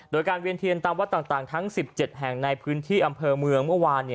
โดยการเวียนเทียนตามวัดต่างทั้ง๑๗แห่งในพื้นที่อำเภอเมืองเมื่อวาน